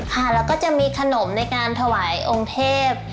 ค่ะแล้วก็จะมีขนมในการถวายองค์เทพ